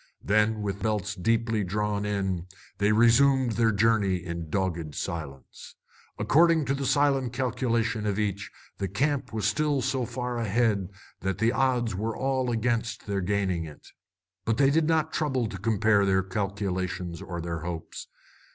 Then, with belts deeply drawn in, they resumed their journey in dogged silence. According to the silent calculation of each, the camp was still so far ahead that the odds were all against their gaining it. But they did not trouble to compare their calculations or their hopes.